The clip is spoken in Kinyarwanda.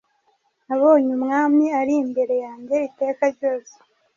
Nabonye Umwami ari imbere yanjye iteka ryose,